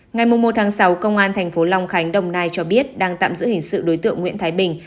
ngày một sáu công an thành phố long khánh đồng nai cho biết đang tạm giữ hình sự đối tượng nguyễn thái bình